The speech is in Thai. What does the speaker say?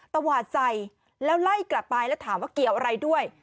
ตวาดใส่แล้วไล่กลับไปแล้วถามว่าเกี่ยวอะไรด้วย